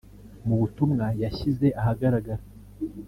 Mu butumwa yashyize ahagaragara